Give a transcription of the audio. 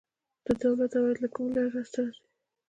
د دولت عواید له کومې لارې لاسته راځي؟